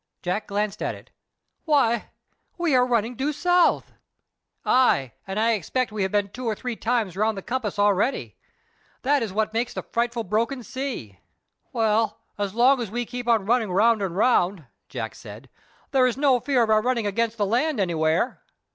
Jack glanced at it. "Why, we are running due south!" "Aye; and I expect we have been two or three times round the compass already. That is what makes this frightful broken sea." "Well, as long as we keep on running round and round," Jack said, "there is no fear of our running against the land anywhere."